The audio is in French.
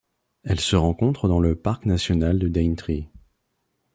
Elle se rencontre dans le parc national de Daintree.